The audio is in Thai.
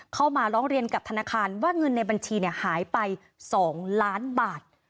เข้ามาร้องเรียนกับธนาคารว่าเงินในบัญชีหายไป๒ล้านบาท